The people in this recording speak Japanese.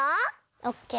オッケー。